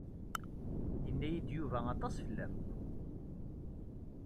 Yenna-yi-d Yuba aṭas fell-am.